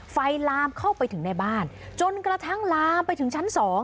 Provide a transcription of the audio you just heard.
ลามเข้าไปถึงในบ้านจนกระทั่งลามไปถึงชั้น๒